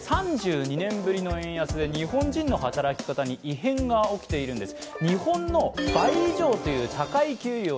３２年ぶりの円安で日本人の働き方に異変が起きているんです。